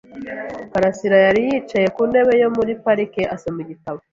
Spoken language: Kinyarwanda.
Karasirayari yicaye ku ntebe yo muri parike, asoma igitabo.